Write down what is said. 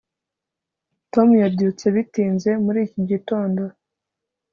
Tom yabyutse bitinze muri iki gitondo